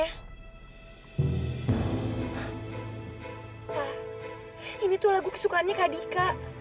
hah ini tuh lagu kesukaannya kak dika